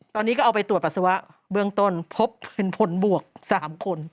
ตอนนี้ก็เอาไปตรวจปัสสาวะเบื้องต้นพบเป็นผลบวก๓คน